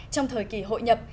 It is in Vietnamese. trong thời kỳ hội nhập